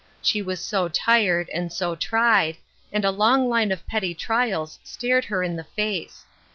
She was so tired and so tried, and a long line of petty trials stared her in the face.